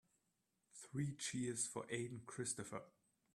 Three cheers for Aden Christopher.